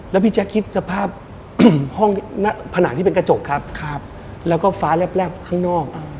แล้วพี่แจ๊คคิดสภาพห้องหน้าผนังที่เป็นกระจกครับแล้วก็ฟ้าแลบข้างนอก